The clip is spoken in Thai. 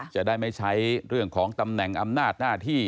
จะได้ไม่ใช้เรื่องของตำแหน่งอำนาจหน้าที่